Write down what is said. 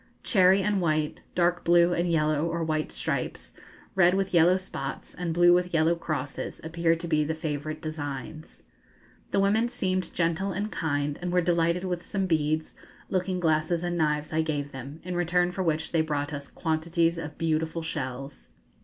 Cherry and white, dark blue and yellow or white stripes, red with yellow spots, and blue with yellow crosses, appear to be the favourite designs. The women seemed gentle and kind, and were delighted with some beads, looking glasses, and knives I gave them, in return for which they brought us quantities of beautiful shells.